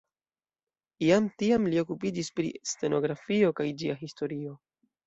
Jam tiam li okupiĝis pri stenografio kaj ĝia historio.